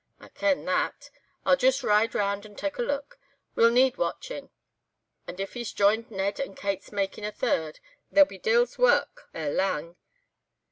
"'I ken that; I'll joost ride round, and tak' a look—he'll need watchin', and if he's joined Ned, and Kate's makin' a third, there'll be de'il's wark ere lang.